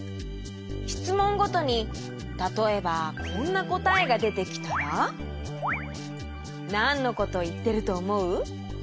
しつもんごとにたとえばこんなこたえがでてきたらなんのこといってるとおもう？